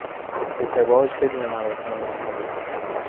ازدواج بدون مراسم مذهبی